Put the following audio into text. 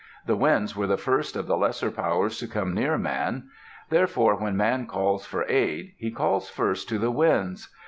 The Winds were the first of the lesser powers to come near man. Therefore, when man calls for aid, he calls first to the Winds.